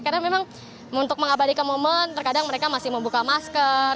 karena memang untuk mengabadikan momen terkadang mereka masih membuka masker